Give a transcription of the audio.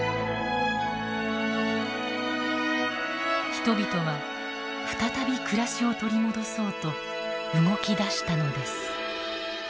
人々は再び暮らしを取り戻そうと動き出したのです。